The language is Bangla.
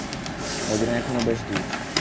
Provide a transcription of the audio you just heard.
মদীনা এখনও বেশ দূর।